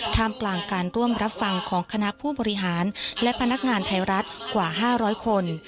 กลางการร่วมรับฟังของคณะผู้บริหารและพนักงานไทยรัฐกว่า๕๐๐คน